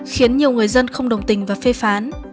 khiến nhiều người dân không đồng tình và phê phán